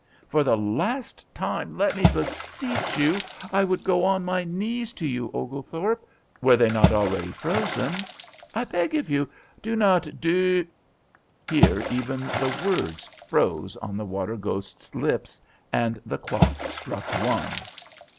"For the last time let me beseech you. I would go on my knees to you, Oglethorpe, were they not already frozen. I beg of you do not doo " Here even the words froze on the water ghost's lips and the clock struck one.